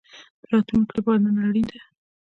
د راتلونکي لپاره نن اړین ده